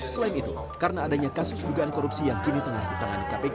selain itu karena adanya kasus dugaan korupsi yang kini tengah ditangani kpk